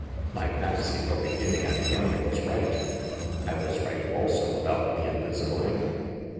My fancy for beginning at the end was right. I was right also about the invisible ink.